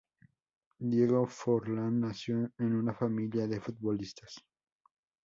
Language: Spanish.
Diego Forlán nació en una familia de futbolistas.